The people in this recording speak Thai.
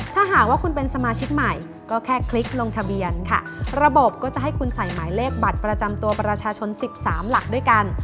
ถ้าหากว่าคุณเป็นสมาชิกใหม่ก็แค่คลิกลงทะเบียนค่ะระบบก็จะให้คุณใส่หมายเลขบัตรประจำตัวประชาชน๑๓หลักด้วยกัน